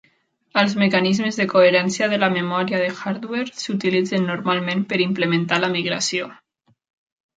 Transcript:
Els mecanismes de coherència de la memòria de hardware s"utilitzen normalment per implementar la migració.